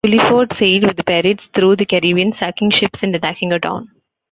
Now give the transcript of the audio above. Culliford sailed with the pirates through the Caribbean, sacking ships and attacking a town.